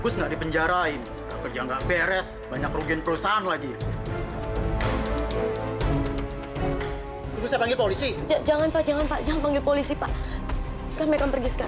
sampai jumpa di video selanjutnya